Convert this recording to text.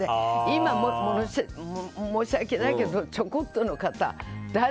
今、申し訳ないけどちょこっとの方、誰？